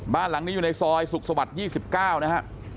บ้านหลังนี้อยู่ในซอยสุขสวรรค์๒๙นะฮะ